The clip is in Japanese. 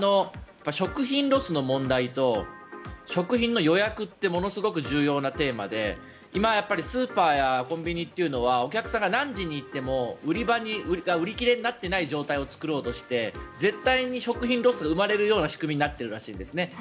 食品ロスの問題と食品の予約ってものすごく重要なテーマで今、スーパーやコンビニっていうのはお客さんが何時に行っても売り切れになっていない状態を作ろうとして絶対に食品ロスが生まれるような仕組みになってるんですね。